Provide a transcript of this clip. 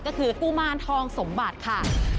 ก็คือกุมารทองสมบัติค่ะ